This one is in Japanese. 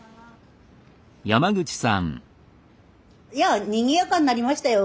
いやにぎやかになりましたよ。